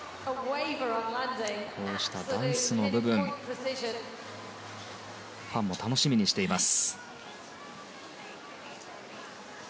こうしたダンスの部分はファンも楽しみにしています。